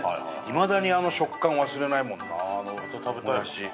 いまだにあの食感忘れないもんなモヤシ。